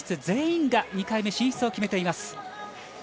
全員が２回目進出を決めています。